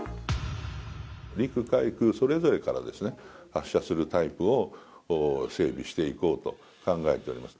陸海空それぞれから発射するタイプを整備していこうと考えております。